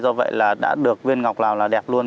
do vậy là đã được viên ngọc lào là đẹp luôn